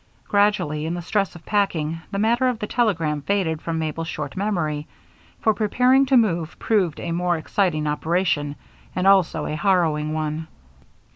Gradually, in the stress of packing, the matter of the telegram faded from Mabel's short memory, for preparing to move proved a most exciting operation, and also a harrowing one.